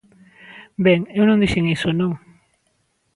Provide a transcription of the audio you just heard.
Ben, eu non dixen iso, non.